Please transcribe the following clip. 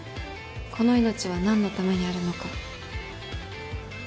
この命は何のためにあるのか。